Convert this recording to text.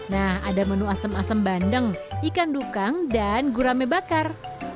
nah ada menu asem asem bandeng ikan dukang dan gurame bakar